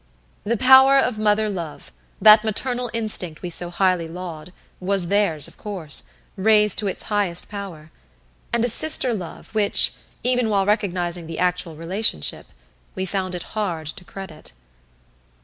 The power of mother love, that maternal instinct we so highly laud, was theirs of course, raised to its highest power; and a sister love which, even while recognizing the actual relationship, we found it hard to credit.